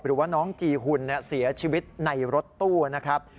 หรือว่าน้องจีหุ่นเสียชีวิตในรถตู้นะครับ